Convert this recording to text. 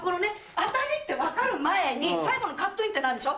当たりって分かる前に最後のカットインってのあるでしょ？